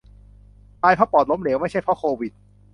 ตายเพราะปอดล้มเหลว ไม่ใช่เพราะโควิด